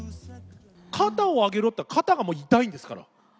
肩を上げろって言ったって、肩がもう痛いんですから。